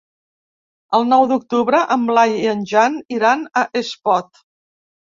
El nou d'octubre en Blai i en Jan iran a Espot.